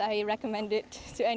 saya rekomendasi kepada semua orang